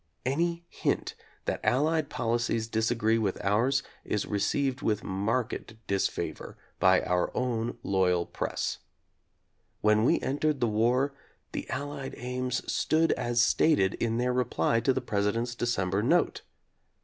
Any hint that Allied policies disagree with ours is received with marked disfavor by our own loyal press. When we entered the war, the Allied aims stood as stated in their reply to the President's Decem ber note.